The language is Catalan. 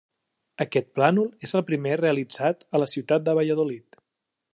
Aquest plànol és el primer realitzat de la ciutat de Valladolid.